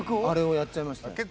あれをやっちゃいました。